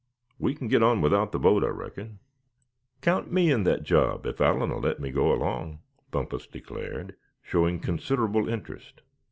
We can get on without the boat, I reckon." "Count me in that job, if Allan will let me go along," Bumpus declared, showing considerable interest.